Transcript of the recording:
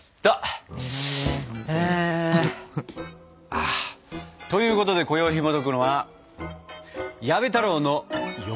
ああということでこよいひもとくのは「矢部太郎のよもぎまんじゅう」。